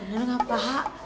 yang bener ngapain hak